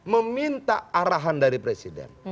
meminta arahan dari presiden